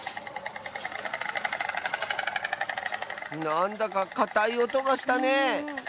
なんだかかたいおとがしたね。